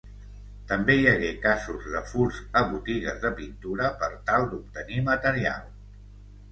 També hi hagué casos de furts a botigues de pintura per tal d'obtenir material.